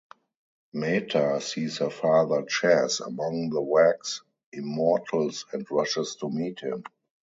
Meta sees her father Chas among the wax immortals and rushes to meet him.